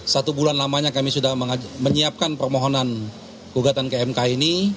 satu bulan lamanya kami sudah menyiapkan permohonan gugatan ke mk ini